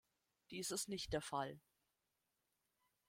Dies ist nicht der Fall.